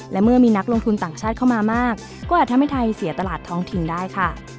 และเมื่อมีนักลงทุนต่างชาติเข้ามามากก็อาจทำให้ไทยเสียตลาดท้องถิ่นได้ค่ะ